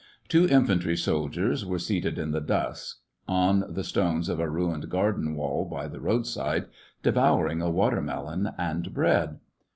Two infantry soldiers were seated in the dust, on the stones of a ruined garden wall by the roadside, devouring a watermelon and bread.